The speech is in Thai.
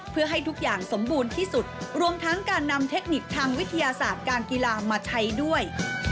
เพื่อให้ทุกอย่างสมบูรณ์ที่สุดรวมทั้งการนำเทคนิคทางวิทยาศาสตร์การกีฬามาใช้ด้วย